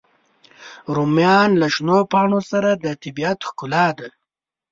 رومیان له شنو پاڼو سره د طبیعت ښکلا ده